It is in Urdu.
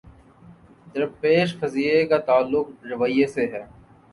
درپیش قضیے کا تعلق رویے سے ہے۔